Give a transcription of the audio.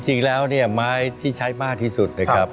จริงแล้วเนี่ยไม้ที่ใช้มากที่สุดนะครับ